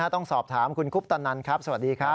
ต้องสอบถามคุณคุปตนันครับสวัสดีครับ